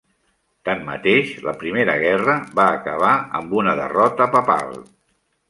Tanmateix, la primera guerra va acabar amb una derrota papal.